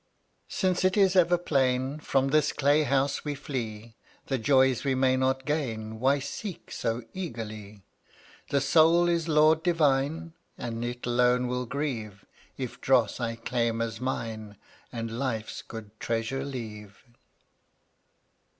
94 Since it is ever plain From this clay house we flee, The joys we may not gain Why seek so eagerly P The Soul is Lord Divine? And it alone will grieve If dross I claim as mine And life's good treasure leave.